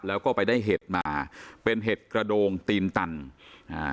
แล้วก็ไปได้เห็ดมาเป็นเห็ดกระโดงตีนตันอ่า